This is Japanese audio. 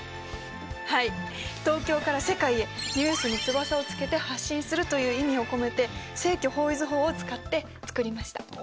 はい東京から世界へニュースに翼をつけて発信するという意味を込めて正距方位図法を使って作りました。